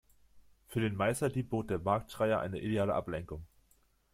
Für den Meisterdieb bot der Marktschreier eine ideale Ablenkung.